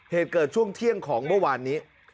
เหตุเกิดช่วงเที่ยงของเมื่อวานนี้